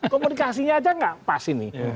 komunikasinya aja nggak pas ini